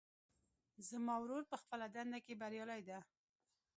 زما ورور په خپله دنده کې بریالی ده